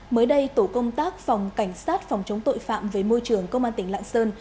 mới đây tổ công tác phòng cảnh sát phòng chống tội phạm về môi trường công an tỉnh lạng sơn